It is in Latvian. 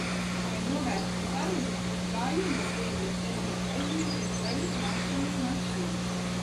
Lai novērstu sarunu, gāju no bēgļa Zemnieka aizņemties gaļas malšanas mašīnu.